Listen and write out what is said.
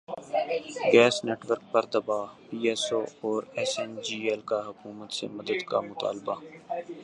gas network پر دبا P S O اور ایس این جی ایل کا حکومت سے مدد کا مطالبہ